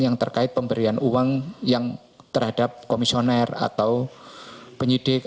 yang terkait pemberian uang yang terhadap komisioner atau penyidik